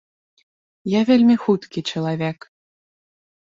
Я вельмі хуткі чалавек.